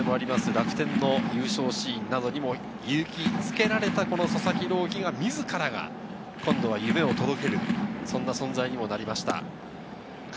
楽天の優勝シーンも勇気づけられた佐々木朗希が今度は夢を届ける存在になりました。